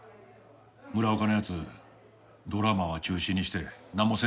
村岡の奴ドラマは中止にしてなんもせんつもりかて。